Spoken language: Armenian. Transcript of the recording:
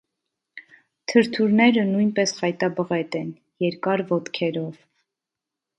Թրթուրները նույնպես խայտաբղետ են, երկար ոտքերով։